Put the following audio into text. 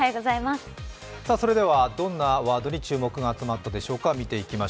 それではどんなワードに注目が集まったでしょうか。